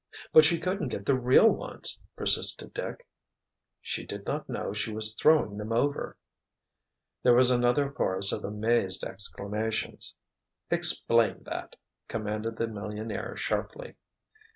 "But she couldn't get the real ones!" persisted Dick. "She did not know she was throwing them over!" There was another chorus of amazed exclamations. "Explain that," commanded the millionaire sharply.